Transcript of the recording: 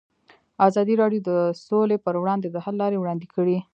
ازادي راډیو د سوله پر وړاندې د حل لارې وړاندې کړي.